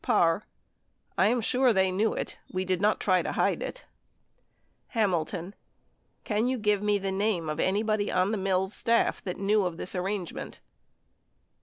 Parr. I am sure they knew it. We did not try to hide it. 35 687 O 74 59 912 Hamilton. Can yon give me the name of anybody on the Mills staff that knew of this arrangement